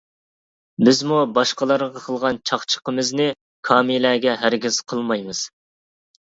بىزمۇ باشقىلارغا قىلغان چاقچىقىمىزنى، كامىلەگە ھەرگىز قىلمايمىز.